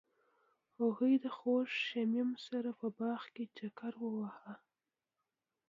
هغوی د خوږ شمیم سره په باغ کې چکر وواهه.